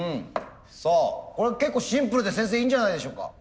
さあこれは結構シンプルで先生いいんじゃないでしょうか？